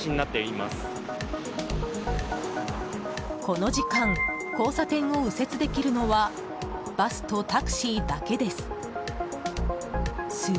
この時間交差点を右折できるのはバスとタクシーだけです。